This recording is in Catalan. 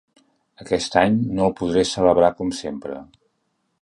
Aquest any no el podré celebrar com sempre.